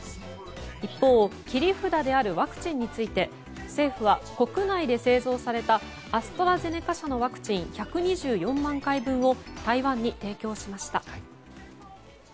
一方切り札であるワクチンについて政府は国内で製造されたアストラゼネカ社のワクチン１２４万回分を台湾に提供しました。